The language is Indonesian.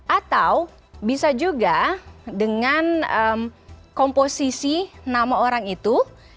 atau bisa juga dengan komposisi nama orang itu